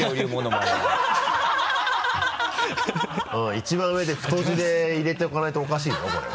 １番上で太字で入れておかないとおかしいぞこれは。